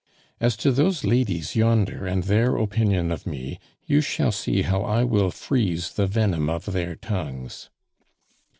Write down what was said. As to those ladies yonder, and their opinion of me, you shall see how I will freeze the venom of their tongues."